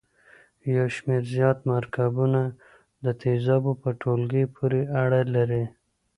یو شمیر زیات مرکبونه د تیزابو په ټولګي پورې اړه لري.